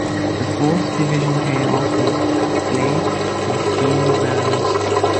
The Fourth Division playoff was played in three rounds.